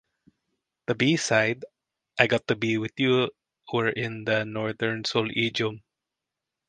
The B-side; "I Gotta Be With You", were in the Northern soul idiom.